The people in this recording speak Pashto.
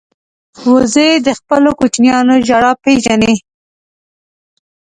وزې د خپلو کوچنیانو ژړا پېژني